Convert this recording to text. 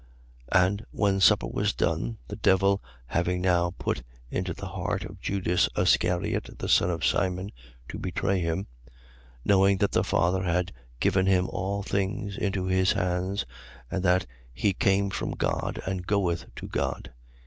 And when supper was done (the devil having now put into the heart of Judas Iscariot, the son of Simon, to betray him), 13:3. Knowing that the Father had given him all things into his hands and that he came from God and goeth to God, 13:4.